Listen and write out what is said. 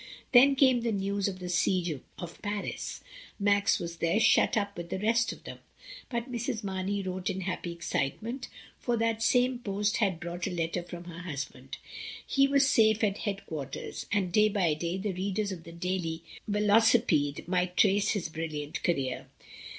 Then came the news of the siege of Paris. Max was there shut up with the rest of them, but Mrs. Marney wrote in happy excitement, for that same post had brought a letter from her husband. He was safe at head quarters, and day by day the readers of the Daily Velocipede might trace his brilliant career.